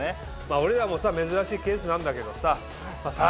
俺らも珍しいケースなんだけど。